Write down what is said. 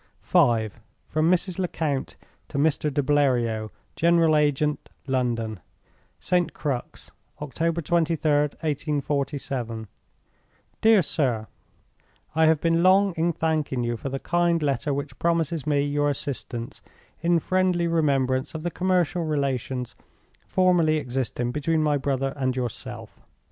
V. From Mrs. Lecount to Mr. de Bleriot, General Agent, London. "St. Crux, October 23d, 1847. "DEAR SIR, "I have been long in thanking you for the kind letter which promises me your assistance, in friendly remembrance of the commercial relations formerly existing between my brother and yourself.